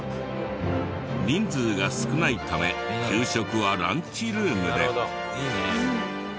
人数が少ないため給食はランチルームで。